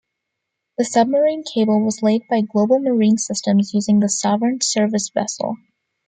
The submarine cable was laid by Global Marine Systems using the "Sovereign" service vessel.